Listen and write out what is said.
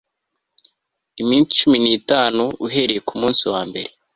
iminsi cumi n itanu uhereye ku munsi wambere